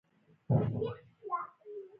د علامه رشاد لیکنی هنر مهم دی ځکه چې شواهد ورکوي.